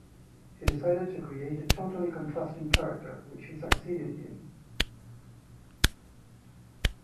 He decided to create a totally contrasting character, which he succeeded in.